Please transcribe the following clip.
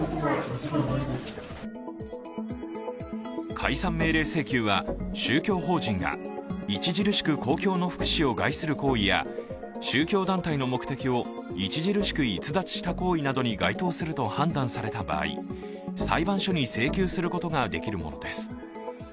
解散命令請求は宗教法人が著しく公共の福祉を害する行為や宗教団体の目的を著しく逸脱した行為などに該当すると判断された場合裁判所に請求することができるものです。